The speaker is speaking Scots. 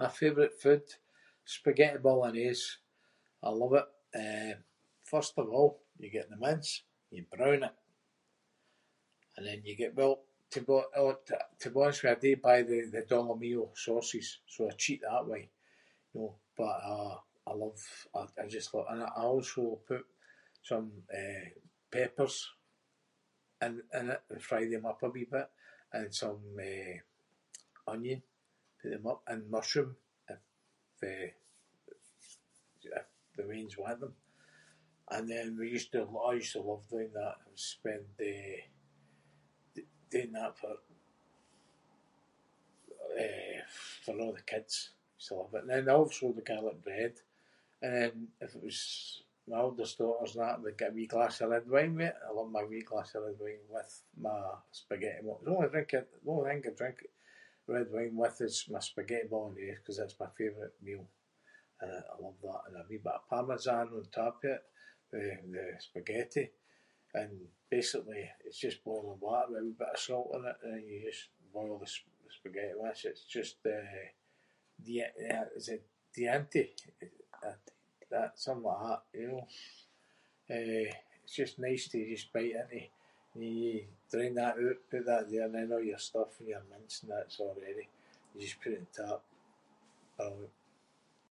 My favourite food. Spaghetti Bolognese. I love it. Eh, first of all you get the mince and you brown it and then you get well- to be hon- [inc] or to be honest with you I do buy the- the Dolmio sauces, so I cheat that way, know. But I- I love- I just lo- and I also put some, eh, peppers in- in it and fry them up a wee bit and some, eh, onion, heat them up and mushroom if, eh, if the weans want them and then we used to- aw, I used to love doing that - spend, eh- d- doing that for, eh, for a' the kids. I used to love it. And then also the garlic bread and then if it was my oldest daughters and that they’d get a wee glass of red wine with it. I love my wee glass of red wine with my spaghetti bol- the only drink I- the only thing I drink red wine with is my spaghetti Bolognese ‘cause that’s my favourite meal and I love that- and a wee bit of parmesan on top of it with the spaghetti and basically it’s just boiling water with a wee bit of salt in it and then you just boil the- the spaghetti once it's just, eh, di- eh, is it [inc]? Tha- tha- something like that, you know. Eh, it’s just nice to just bite into. And you drain that oot, put that there and then a' your stuff and your mince and that’s a’ ready, you just put it on top. Brilliant.